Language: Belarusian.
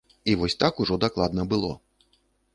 І вось так ужо дакладна было.